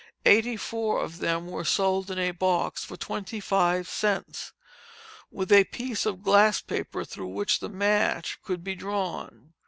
Eighty four of them were sold in a box for twenty five cents, with a piece of "glass paper" through which the match could be drawn.